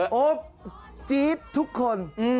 โอ๊ปจี๊ดทุกคน